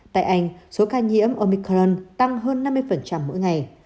tại anh số ca nhiễm omicron tăng hơn năm mươi mỗi ngày